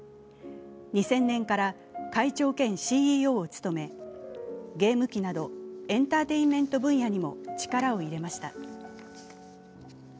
２０００年から会長兼ＣＥＯを務めゲーム機などエンターテインメント分野にも力を入れました。